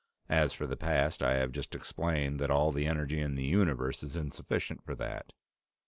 As for the past, I have just explained that all the energy in the universe is insufficient for that."